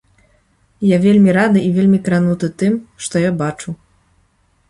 Я вельмі рады і вельмі крануты тым, што я бачу.